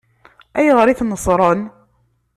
Ayɣer i ten-ṣṣṛen?